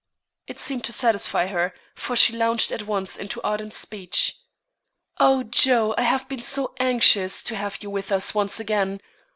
It seemed to satisfy her, for she launched at once into ardent speech. "Oh, Joe, I have been so anxious to have you with us once again!